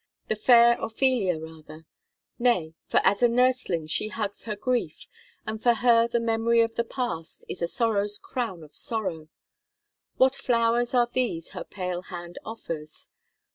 The fair Ophelia, rather: nay, for as a nursling she hugs her grief, and for her the memory of the past is a "sorrow's crown of sorrow." What flowers are these her pale hand offers?